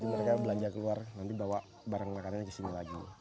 mereka belanja keluar nanti bawa barang makanannya ke sini lagi